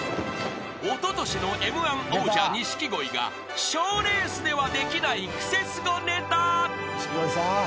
［おととしのＭ−１王者錦鯉が賞レースではできないクセスゴネタ］